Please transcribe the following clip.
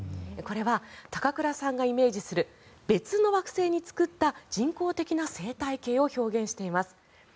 これは高倉さんがイメージする別の惑星に作った人工的な生態系を表現しています。